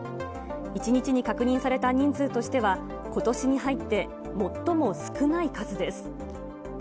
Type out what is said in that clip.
１日に確認された人数としては、ことしに入って最も少ない数です。